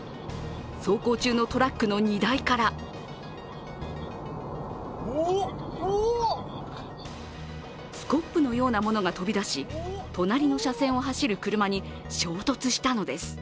走行中のトラックの荷台からスコップのようなものが飛び出し、隣の車線を走る車に衝突したのです。